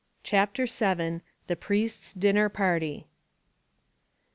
CHAPTER VII. THE PRIEST'S DINNER PARTY.